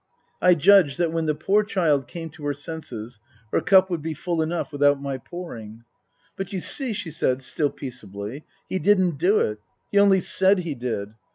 I judged that when the poor child came to her senses her cup would be full enough without my pouring. " But, you see," she said, still peaceably, " he didn't do it. He only said he did.